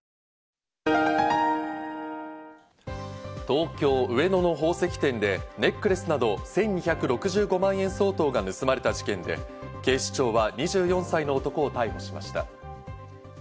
東京・上野の宝石店でネックレスなど１２６５万円相当が盗まれた事件で、警視庁は２４歳の男を逮捕しました。